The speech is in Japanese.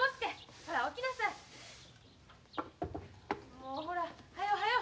・もうほらはようはよう！